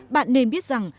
bạn nên biết rằng